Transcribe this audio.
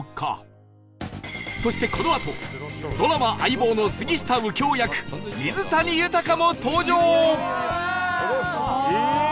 そしてこのあとドラマ『相棒』の杉下右京役水谷豊も登場